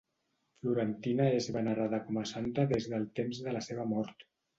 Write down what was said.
Florentina és venerada com a santa des del temps de la seva mort.